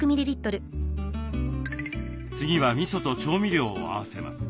次はみそと調味料を合わせます。